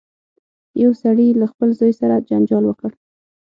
یو سړي له خپل زوی سره جنجال وکړ.